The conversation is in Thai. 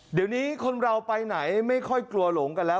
เดี๋ยวนี้คนเราไปไหนไม่ค่อยกลัวหลงกันแล้ว